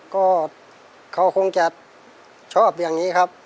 ก็เขาคงจะชอบอย่างนี้ครับ